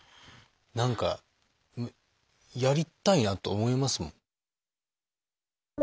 何かやりたいなと思いますもん。